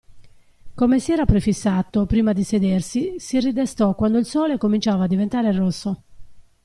Come si era prefissato prima di sedersi, si ridestò quando il sole cominciava a diventare rosso.